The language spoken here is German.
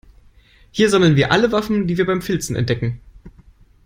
Hier sammeln wir alle Waffen, die wir beim Filzen entdecken.